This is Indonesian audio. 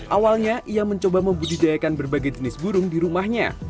awalnya ia mencoba membudidayakan berbagai jenis burung di rumahnya